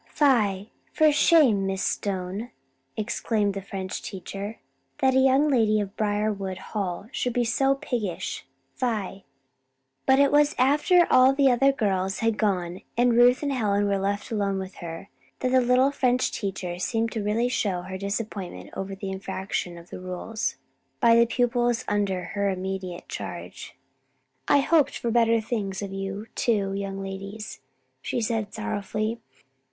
"Fie, for shame, Miss Stone!" exclaimed the French teacher. "That a young lady of Briarwood Hall should be so piggish! Fie!" But it was after all the other girls had gone and Ruth and Helen were left alone with her, that the little French teacher seemed to really show her disappointment over the infraction of the rules by the pupils under her immediate charge. "I hoped for better things of you two young ladies," she said, sorrowfully.